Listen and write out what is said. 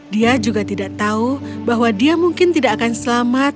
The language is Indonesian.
dia juga tidak tahu bahwa dia mungkin tidak akan selamat